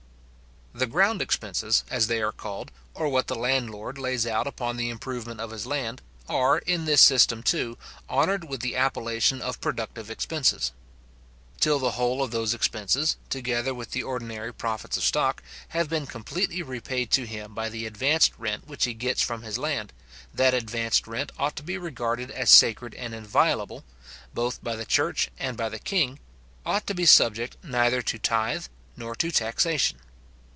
The ground expenses, as they are called, or what the landlord lays out upon the improvement of his land, are, in this system, too, honoured with the appellation of productive expenses. Till the whole of those expenses, together with the ordinary profits of stock, have been completely repaid to him by the advanced rent which he gets from his land, that advanced rent ought to be regarded as sacred and inviolable, both by the church and by the king; ought to be subject neither to tithe nor to taxation.